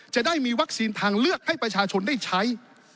จะได้มีวัคซีนทางเลือกให้ประชาชนได้ใช้